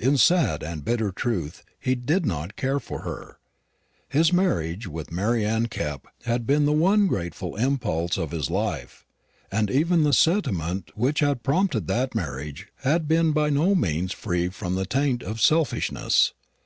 In sad and bitter truth, he did not care for her. His marriage with Mary Anne Kepp had been the one grateful impulse of his life; and even the sentiment which had prompted that marriage had been by no means free from the taint of selfishness.